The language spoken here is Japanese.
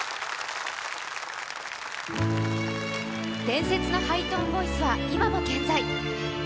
伝説のハイトーンボイスは今も健在。